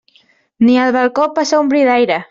Ni al balcó passa un bri d'aire.